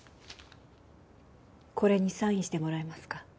これにサインしてもらえますか？